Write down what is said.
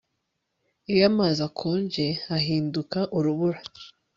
Iyo amazi akonje ahinduka urubura